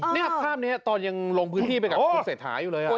นี่ภาพนี้ตอนยังลงพื้นที่ไปกับคุณเศรษฐาอยู่เลย